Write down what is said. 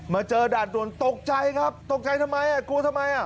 มาเจอด่านตัวนตกใจครับตกใจทำไมกลัวทำไม